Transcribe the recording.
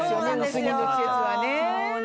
薄着の季節はね。